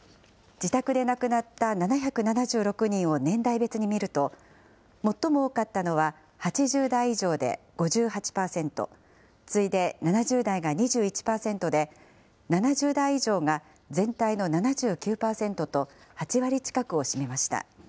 自宅で亡くなった７７６人を年代別に見ると、最も多かったのは８０代以上で５８％、次いで７０代が２１％で、７０代以上が全体の７９％と、８割近くを占めました。